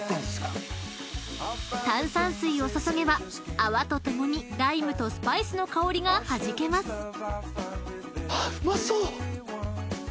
［炭酸水を注げば泡とともにライムとスパイスの香りがはじけます］